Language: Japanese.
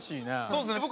そうですね。